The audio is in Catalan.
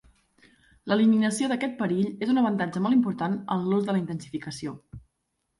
L'eliminació d'aquest perill és un avantatge molt important en l'ús de la intensificació.